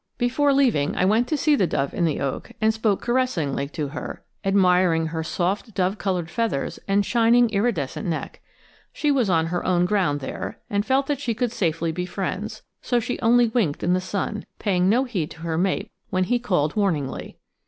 Before leaving I went to see the dove in the oak, and spoke caressingly to her, admiring her soft dove colored feathers and shining iridescent neck. She was on her own ground there, and felt that she could safely be friends, so she only winked in the sun, paying no heed to her mate when he called warningly.